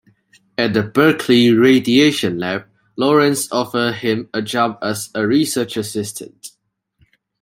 At the Berkeley Radiation Lab, Lawrence offered him a job as a Research Assistant.